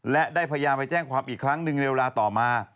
และได้พยายามไปแจ้งความอีกครั้งหนึ่งในเวลาต่อมา